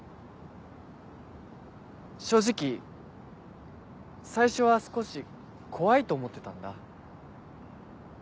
正直最初は少し怖いと思ってたんだ。